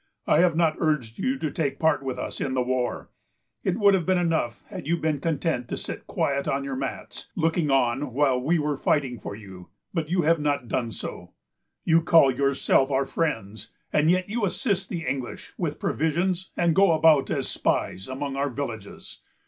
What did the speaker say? I have not urged you to take part with us in the war. It would have been enough had you been content to sit quiet on your mats, looking on, while we were fighting for you. But you have not done so. You call yourselves our friends, and yet you assist the English with provisions, and go about as spies among our villages.